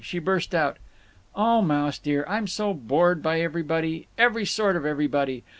She burst out: "O Mouse dear, I'm so bored by everybody—every sort of everybody….